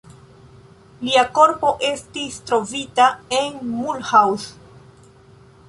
Lia korpo estis trovita en Mulhouse.